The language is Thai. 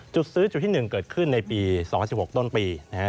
ซื้อจุดที่๑เกิดขึ้นในปี๒๐๑๖ต้นปีนะฮะ